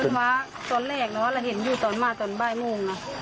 เพื่อนศาสตร์ตอนแรกเราเห็นอยู่ตอนบ้ายหมง